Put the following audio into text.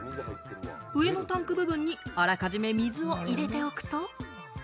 上のタンク部分にあらかじめ水を入れておくと。